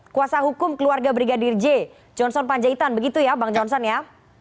kuasa hukum keluarga brigadir j johnson panjaitan begitu ya bang johnson ya